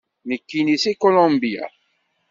Nekkni seg Colombia.